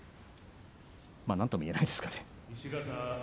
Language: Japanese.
まあ、なんとも言えないですかね。